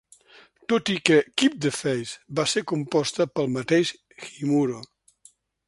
Tot i que "Keep the Faith" va ser composta pel mateix Himuro.